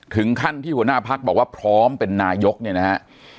ถึงขั้นที่หัวหน้าพักบอกว่าพร้อมเป็นนายกเนี่ยนะฮะ